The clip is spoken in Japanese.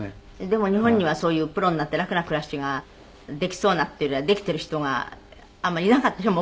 でも日本にはそういうプロになって楽な暮らしができそうなっていうよりはできている人があんまりいなかったでしょ？